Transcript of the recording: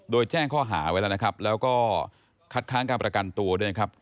โดยแจ้งข้อหาไว้แล้วก็คัดค้างการประกันตัวด้วยนะครับ